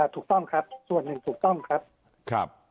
ถูกต้องครับส่วนหนึ่งถูกต้องครับ